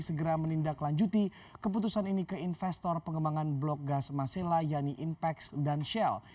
segera menindaklanjuti keputusan ini ke investor pengembangan blok gas masela yanni inpex dan shell